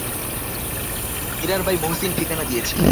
মীরার ভাই মহসিন ঠিকানা দিয়েছে।